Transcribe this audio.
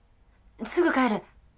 すぐ帰る。